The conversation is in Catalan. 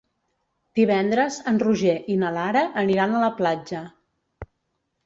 Divendres en Roger i na Lara aniran a la platja.